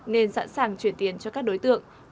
nên sẵn sàng chuyển tiền cho các đối tượng